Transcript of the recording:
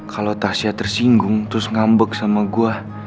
kalau tasya tersinggung terus ngambek sama gue